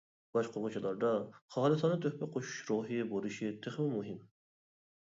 باشقۇرغۇچىلاردا خالىسانە تۆھپە قوشۇش روھى بولۇشى تېخىمۇ مۇھىم.